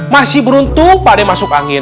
masih beruntung pak d masuk angin